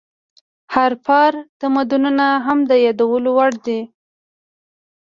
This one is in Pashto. هاراپا تمدنونه هم د یادولو وړ دي.